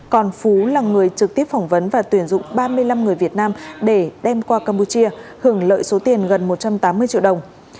còn phú là người trực tiếp phỏng vấn và tuyển dụng ba mươi năm người việt nam để đem qua campuchia hưởng lợi số tiền gần một trăm tám mươi triệu đồng